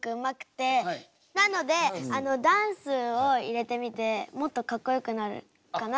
なのでダンスを入れてみてもっとかっこよくなるかなと。